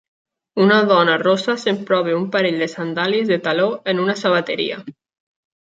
Una dona rossa s'emprova un parell de sandàlies de taló en una sabateria.